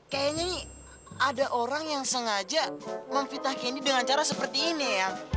kayaknya nih ada orang yang sengaja memfitah candy dengan cara seperti ini ya